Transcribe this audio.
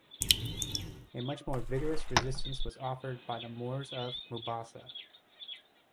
A much more vigorous resistance was offered by the Moors of Mombasa.